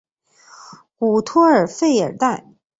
古托尔弗尔代。